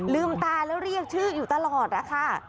ลืมตาแล้วเรียกชื่ออยู่ตลอดนะคะ